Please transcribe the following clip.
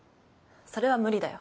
それは無理だよ。